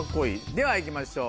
ではいきましょう